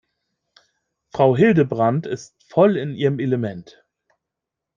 Frau Hildebrand ist voll in ihrem Element.